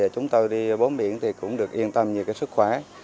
chúng tôi đi bốn biển cũng được yên tâm về sức khỏe